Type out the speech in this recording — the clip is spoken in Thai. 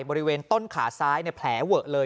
บริเวณต้นขาซ้ายแผลเวอะเลย